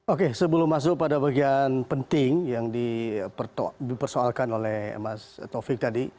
oke sebelum masuk pada bagian penting yang dipersoalkan oleh mas taufik tadi